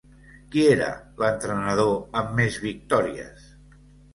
Qui era l'entrenador amb més victòries?